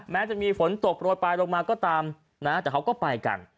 แม้จะมีฝนตกรวดปล่อยลงมาก็ตามแต่เขาก็ไปกัน